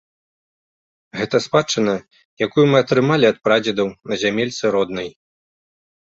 Гэта спадчына, якую мы атрымалі ад прадзедаў на зямельцы роднай.